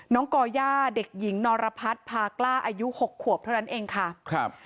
ก่อย่าเด็กหญิงนรพัฒน์พากล้าอายุหกขวบเท่านั้นเองค่ะครับ